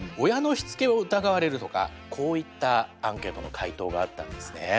親のしつけを疑われるとかこういったアンケートの回答があったんですね。